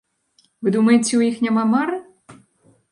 Вы думаеце, у іх няма мары?!